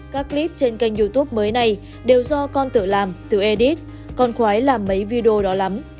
các clip trên kênh youtube mới này đều do con tự làm tự edit con khoái làm mấy video đó lắm